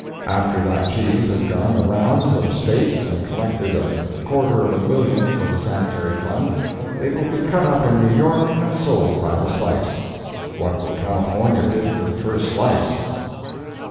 After that cheese has gone the rounds of the States and collected a quarter of a million for the Sanitary Fund, it will be cut up in New York and sold by the slice. What will California bid for the first slice?